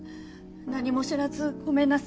何も知らずごめんなさい。